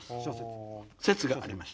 説があります。